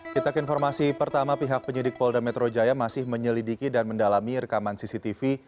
kita ke informasi pertama pihak penyidik polda metro jaya masih menyelidiki dan mendalami rekaman cctv